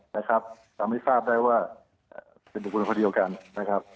ไม่สามารถรู้ได้เลยนะครับ